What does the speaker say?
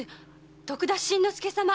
徳田新之助様！